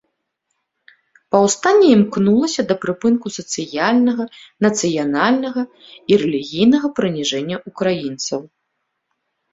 Паўстанне імкнулася да прыпынку сацыяльнага, нацыянальнага, і рэлігійнага прыніжэння ўкраінцаў.